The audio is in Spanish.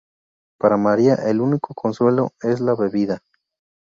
Para "María", el único consuelo es la bebida.